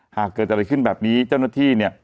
หากเกิดอะไรขึ้นแบบนี้เจ้าหน้าที่เนี่ย